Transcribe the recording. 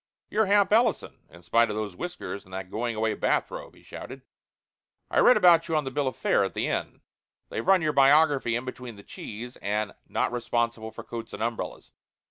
"You're Hamp Ellison, in spite of those whiskers and that going away bathrobe," he shouted. "I read about you on the bill of fare at the inn. They've run your biography in between the cheese and 'Not Responsible for Coats and Umbrellas.'